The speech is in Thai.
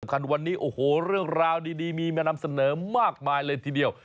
คันวันนี้โอ้โหเรื่องราวดีมีมานำเสนอมากมายเลยทีเดียว